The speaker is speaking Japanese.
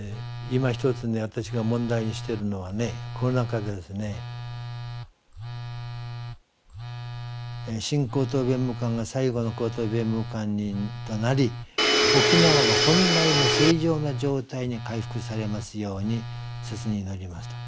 私が問題にしてるのはねこの中で「新高等弁務官が最後の高等弁務官となり沖縄が本来の正常な状態に回復されますように切に祈ります」と。